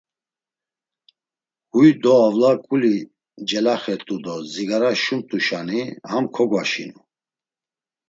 Huy do avla ǩuli celaxert̆u do dzigara şumt̆uşani ham kogvaşinu.